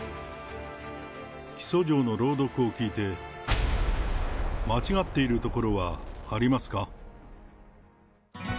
起訴状の朗読を聞いて、間違っているところはありますか。